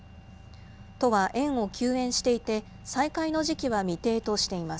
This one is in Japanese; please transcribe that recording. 都は園を休園していて、再開の時期は未定としています。